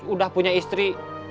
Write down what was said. udah punya istri